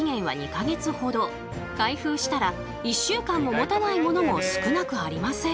開封したら１週間ももたないものも少なくありません。